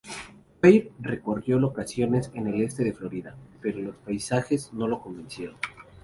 Weir recorrió locaciones en el este de Florida pero los paisajes no lo convencieron.